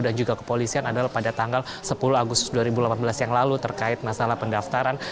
dan juga kepolisian adalah pada tanggal sepuluh agustus dua ribu delapan belas yang lalu terkait masalah pendaftaran